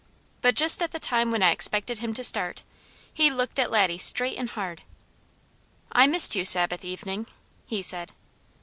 But just at the time when I expected him to start, he looked at Laddie straight and hard. "I missed you Sabbath evening," he said.